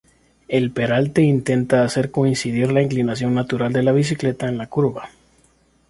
El peralte intenta hacer coincidir la inclinación natural de la bicicleta en la curva.